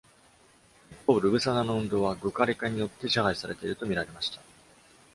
一方、Rubusana の運動は Gcaleka によって支配されていると見られました。